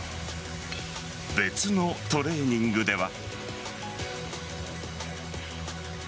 別のトレーニングでは。